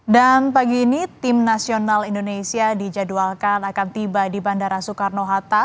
dan pagi ini timnasional indonesia dijadwalkan akan tiba di bandara soekarno hatta